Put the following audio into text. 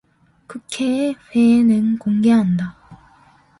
국회의 회의는 공개한다.